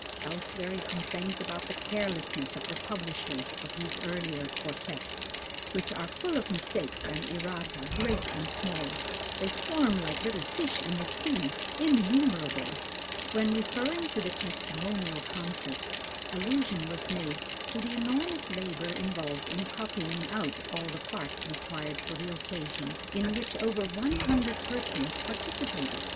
Elsewhere he complains about the carelessness of the publishers of his earlier quartets, which are "full of mistakes and errata great and small. They swarm like fish in the sea, innumerable." When referring to the testimonial concert, allusion was made to the enormous labor involved in copying out all the parts required for the occasion, in which over one hundred persons participated.